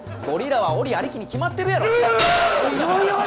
ゴリラは檻ありきに決まってるやろ！